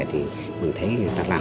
thì mình thấy người ta làm rất tốt